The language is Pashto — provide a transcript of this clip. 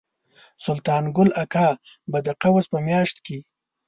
سلطان ګل اکا به د قوس په میاشت کې.